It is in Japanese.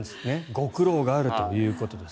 ご苦労があるということです。